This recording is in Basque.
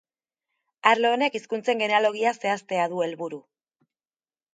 Arlo honek hizkuntzen genealogia zehaztea du helburu.